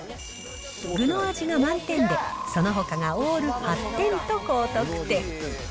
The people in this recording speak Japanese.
具の味が満点で、そのほかがオール８点と高得点。